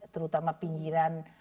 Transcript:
daerah terutama pinggiran